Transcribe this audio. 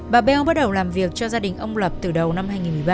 bà beo bắt đầu làm việc cho gia đình ông lập từ đầu năm hai nghìn